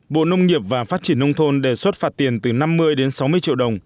bộ nông nghiệp và phát triển nông thôn đề xuất phạt tiền từ năm mươi đến sáu mươi triệu đồng